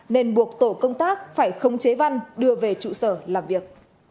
nên buộc tổ công tác phải khống chế văn đưa về trụ sở làm việc